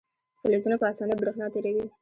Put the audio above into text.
فلزونه په اسانۍ برېښنا تیروي.